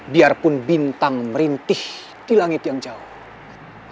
biarpun bintang merintih di langit yang jauh